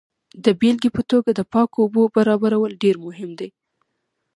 د بیلګې په توګه د پاکو اوبو برابرول ډیر مهم دي.